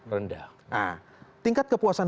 rendah nah tingkat kepuasan